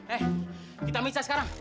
eh kita misal sekarang